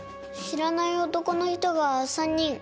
知らない男の人が３人。